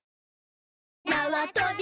なわとび